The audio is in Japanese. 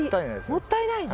もったいないね。